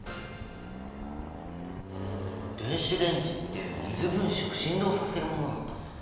電子レンジって水分子を振動させるものだったんだ。